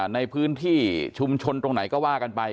ในพื้นที่ชุมชนตรงไหนก็ว่ากันไป